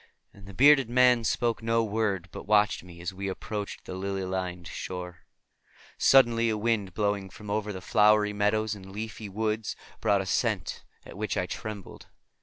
And the bearded man spoke no word, but watched me as we approached the lily lined shore. Suddenly a wind blowing from over the flowery meadows and leafy woods brought a scent at which I trembled.